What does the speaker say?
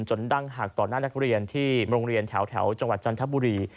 ดั้งหักต่อหน้านักเรียนที่โรงเรียนแถวจังหวัดจันทบุรี